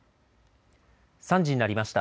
３時になりました。